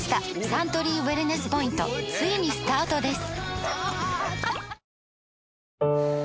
サントリーウエルネスポイントついにスタートです！